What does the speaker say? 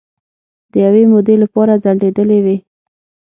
د یوې مودې لپاره ځنډیدېلې وې